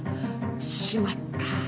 しまった。